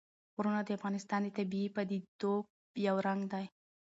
غرونه د افغانستان د طبیعي پدیدو یو رنګ دی.